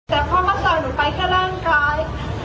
แต่พ่อก็จะหลุดไปแค่ร่างกาย